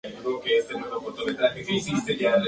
La sede del condado es Webster City.